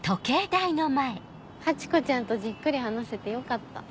ハチ子ちゃんとじっくり話せてよかった。